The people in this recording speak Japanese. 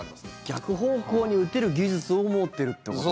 逆方向に打てる技術を持ってるってことだ。